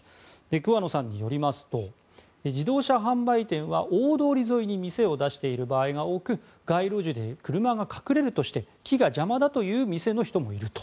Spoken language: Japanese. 桑野さんによりますと自動車販売店は大通り沿いに店を出している場合が多く街路樹で車が隠れるとして木が邪魔だと言う店の人もいると。